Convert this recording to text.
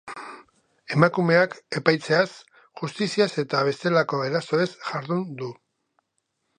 Emakumeak epaitzeaz, justiziaz eta bestelako erasoez jardun du.